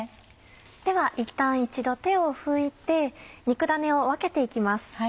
ではいったん手を拭いて肉だねを分けて行きます。